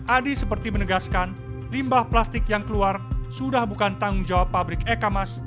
adi seperti menegaskan limbah plastik yang keluar sudah bukan tanggung jawab pabrik eka mas